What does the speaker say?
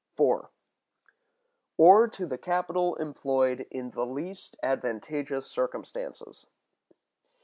§ 4. —Or to the Capital employed in the least advantageous Circumstances.